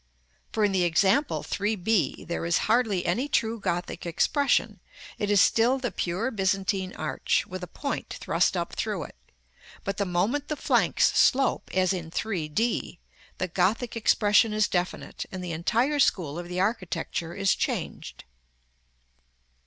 For in the example 3 b there is hardly any true Gothic expression; it is still the pure Byzantine arch, with a point thrust up through it: but the moment the flanks slope, as in 3 d, the Gothic expression is definite, and the entire school of the architecture is changed.